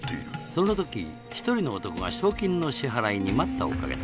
その時一人の男が賞金の支払いに待ったをかけた